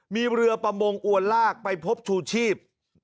มีเรือประมงอวนลากไปพบชูชีพ